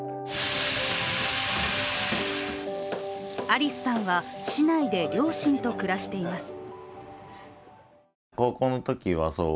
ありすさんは市内で両親と暮らしています。